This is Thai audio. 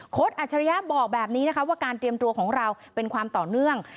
อัจฉริยะบอกแบบนี้นะคะว่าการเตรียมตัวของเราเป็นความต่อเนื่อง